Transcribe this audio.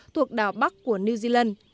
thuộc đảo bắc của new zealand